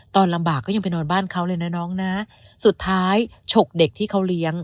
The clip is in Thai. ตอนลำบากก็ยังไปนอนบ้านเขาเลยนะน้องนะสุดท้ายฉกเด็กที่เขาเลี้ยง